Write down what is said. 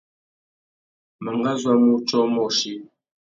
Mangazu a mú wutiō umôchï.